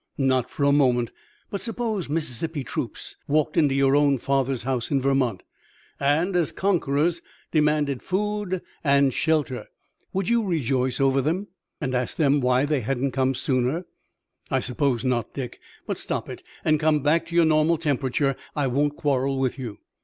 "Not for a moment. But suppose Mississippi troops walked into your own father's house in Vermont, and, as conquerors, demanded food and shelter! Would you rejoice over them, and ask them why they hadn't come sooner?" "I suppose not, Dick. But, stop it, and come back to your normal temperature. I won't quarrel with you."